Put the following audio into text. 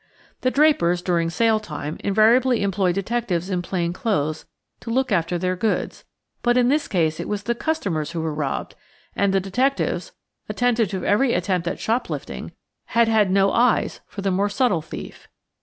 The drapers, during sale time, invariably employ detectives in plain clothes to look after their goods, but in this case it was the customers who were robbed, and the detectives, attentive to every attempt at "shop lifting," had had no eyes for the more subtle thief.